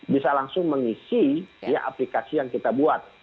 bisa langsung mengisi aplikasi yang kita buat